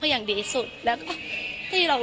โปรดติดตามต่อไป